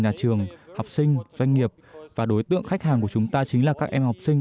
nhà trường học sinh doanh nghiệp và đối tượng khách hàng của chúng ta chính là các em học sinh